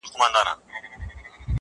دادی حالاتو سره جنگ کوم لگيا يمه زه.